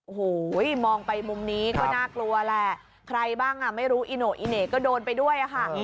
โอ้โหมองไปมุมนี้ก็น่ากลัวแหละใครบ้างอ่ะไม่รู้อีโน่อีเหน่ก็โดนไปด้วยอะค่ะ